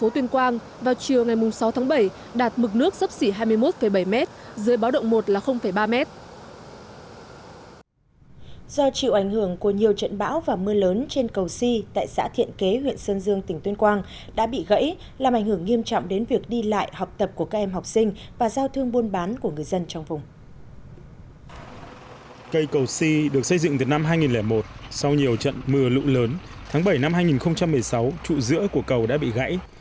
tuy nhiên những ngày qua mưa lớn tháng bảy năm hai nghìn một mươi sáu trụ giữa của cầu đã bị gãy